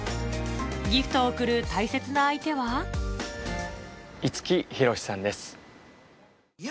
ギフトを贈る大切な相手は五木ひろしさんです。